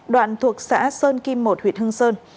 đoạn thuộc xã sơn kim một huyện hưng sơn